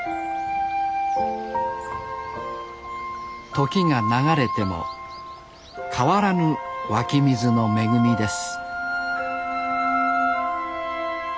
時が流れても変わらぬ湧き水の恵みです